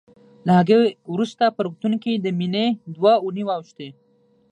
له هغې وروسته په روغتون کې د مينې دوه اوونۍ واوښتې